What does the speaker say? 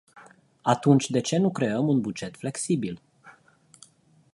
Atunci de ce nu creăm un buget flexibil?